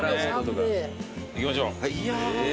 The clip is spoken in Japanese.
行きましょう。